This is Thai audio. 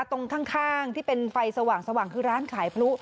ตรงข้างที่เป็นไฟสว่างคือร้านขายพลุ